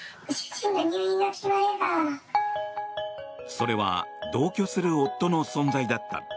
それは同居する夫の存在だった。